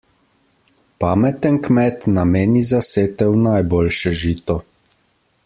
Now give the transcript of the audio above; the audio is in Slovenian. Pameten kmet nameni za setev najboljše žito.